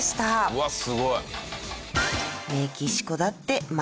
うわっすごい！